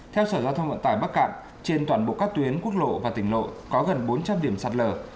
theo sở giao thông vận tải bắc cạn trên toàn bộ các tuyến quốc lộ và tỉnh lộ có gần bốn trăm linh điểm sạt lở